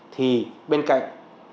thì bên cạnh